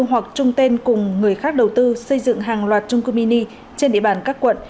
hoặc trung tên cùng người khác đầu tư xây dựng hàng loạt trung cư mini trên địa bàn các quận